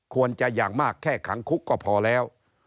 อย่างมากแค่ขังคุกก็พอแล้ว